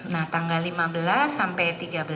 nah tanggal lima belas sampai tiga belas